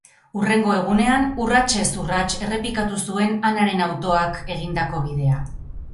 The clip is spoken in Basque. Hurrengo egunean, urratsez urrats errepikatu zuen Anaren autoak egindako bidea.